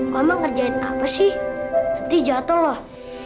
mama ngerjain apa sih nanti jatuh loh